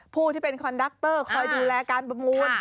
ผู้ที่เป็นคอนดักเตอร์คอยดูแลการประมูล